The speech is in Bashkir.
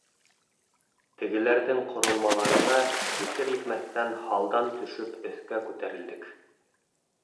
Тегеләрҙең ҡоролмаларына етер-етмәҫтән һалдан төшөп өҫкә күтәрелдек.